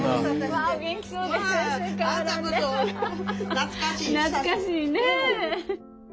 懐かしいねえ。